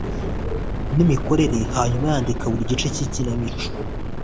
n'imikorere, hanyuma yandika buri gice cyikinamico